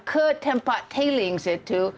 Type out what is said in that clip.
ke tempat tailings itu